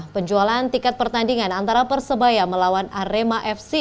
penjualan tiket pertandingan antara persebaya melawan arema fc